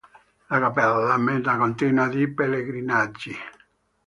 La cappella è meta continua di pellegrinaggi.